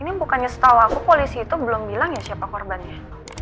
ini bukannya setahu aku polisi itu belum bilang ya siapa korbannya